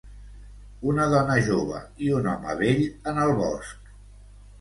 Una dona jove i un home vell en el bosc.